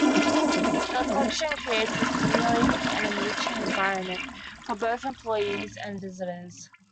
The collection creates a stimulating and enriching environment for both employees and visitors.